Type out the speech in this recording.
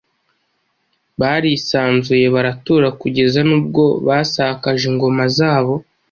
barisanzuye baratura kugeza n’ubwo basakaje ingoma zabo